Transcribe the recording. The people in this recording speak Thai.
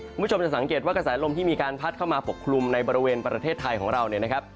คุณผู้ชมจะสังเกตว่ากระแสลมที่มีการพัดเข้ามาปกคลุมในบริเวณประเทศไทยของเราเนี่ยนะครับ